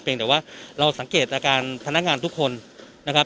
เป็นแต่ว่าเราสังเกตอาการพนักงานทุกคนนะครับ